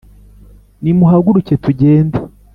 Nimuhaguruke, tugende